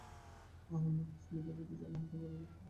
আহাম্মক Smith, আমি ওকে পিছু হটতে বারণ করেছিলাম।